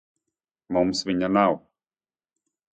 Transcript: Mums viņa nav.